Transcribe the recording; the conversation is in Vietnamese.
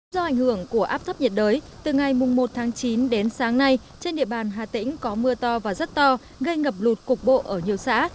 do ảnh hưởng của áp thấp nhiệt đới từ ngày một tháng chín đến sáng nay trên địa bàn hà tĩnh có mưa to và rất to gây ngập lụt cục bộ ở nhiều xã